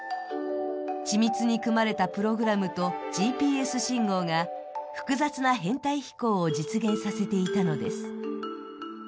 緻密に組まれたプログラムとＧＰＳ信号が複雑な編隊飛行を実現させていたのです。